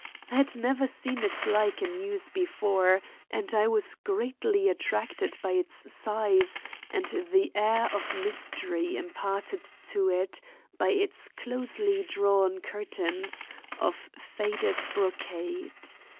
I had never seen its like in use before, and I was greatly attracted by its size and the air of mystery imparted to it by its closely drawn curtains of faded brocade.